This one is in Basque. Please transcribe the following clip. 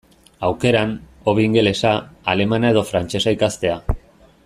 Aukeran, hobe ingelesa, alemana edo frantsesa ikastea.